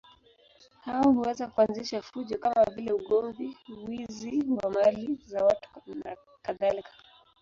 Hao huweza kuanzisha fujo kama vile ugomvi, wizi wa mali za watu nakadhalika.